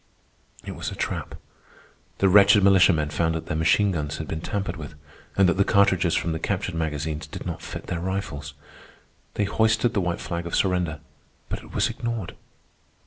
It was a trap. The wretched militiamen found that their machine guns had been tampered with, and that the cartridges from the captured magazines did not fit their rifles. They hoisted the white flag of surrender, but it was ignored.